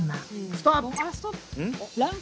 ストップ！